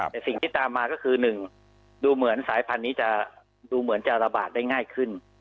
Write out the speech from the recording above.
แต่สิ่งที่ตามมาก็คือ๑ดูเหมือนสายพันธุ์นี้จะดูเหมือนจะระบาดได้ง่ายขึ้น